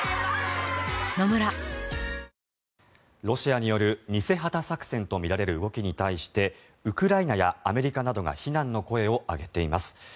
ロシアによる偽旗作戦とみられる動きに対してウクライナやアメリカなどが非難の声を上げています。